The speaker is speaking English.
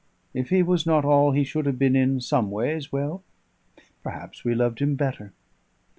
If he was not all he should have been in some ways, well, perhaps we loved him better!"